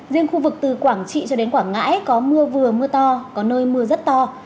riêng khu vực từ quảng trị cho đến quảng ngãi có mưa vừa mưa to có nơi mưa rất to